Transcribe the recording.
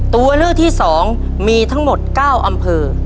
ตัวเลือกที่๒มีทั้งหมด๙อำเภอ